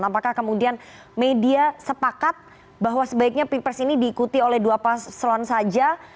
apakah kemudian media sepakat bahwa sebaiknya pilpres ini diikuti oleh dua paslon saja